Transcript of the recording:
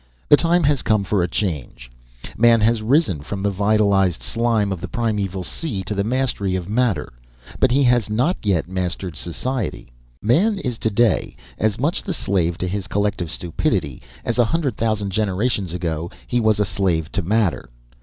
The time has come for a change. Man has risen from the vitalized slime of the primeval sea to the mastery of matter; but he has not yet mastered society. Man is to day as much the slave to his collective stupidity, as a hundred thousand generations ago he was a slave to matter.